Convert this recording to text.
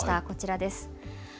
こちらです。